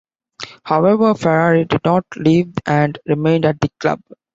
However, Ferrari didn't leave and remained at the club.